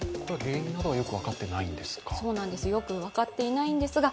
原因などはよく分かっていないんですか？